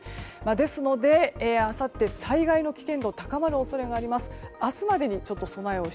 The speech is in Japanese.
ですので、あさって災害の危険度が高まる恐れがあります。